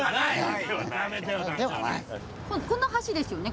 この橋ですよね？